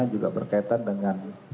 juga berkaitan dengan